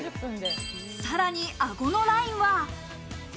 さらに顎のラインは。